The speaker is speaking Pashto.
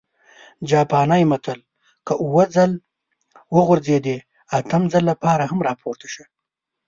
جاپانى متل: که اووه ځل وغورځېدې، اتم ځل لپاره هم راپورته شه!